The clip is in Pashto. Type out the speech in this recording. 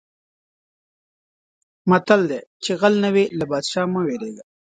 متل دی: چې غل نه وې له پادشاه نه مه وېرېږه.